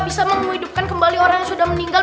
bisa menghidupkan kembali orang yang sudah meninggal